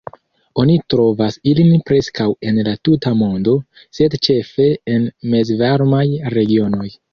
Oni trovas ilin preskaŭ en la tuta mondo, sed ĉefe en mezvarmaj regionoj.